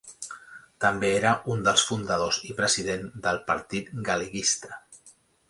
També era un dels fundadors i president del Partit Galeguista.